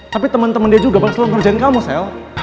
tapi temen temen dia juga bakal selalu ngerjain kamu sel